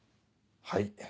はい。